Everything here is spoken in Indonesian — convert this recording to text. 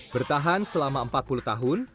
bertahan selama empat puluh tahun